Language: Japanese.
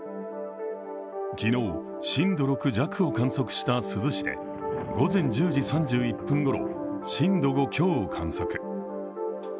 昨日、震度６弱を観測した珠洲市で午前１０時３１分ごろ、震度５強を観測。